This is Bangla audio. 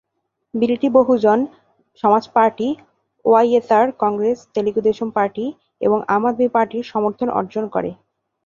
বিলটি Bahujan Samaj party, YSR Congress, Telugu Desam party এবং আম আদমি পার্টির সমর্থন অর্জন করে।